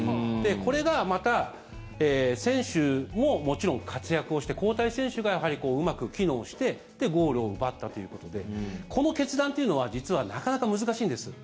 これがまた選手ももちろん活躍をして交代選手がやはりうまく機能してゴールを奪ったということでこの決断というのは実はなかなか難しいんです。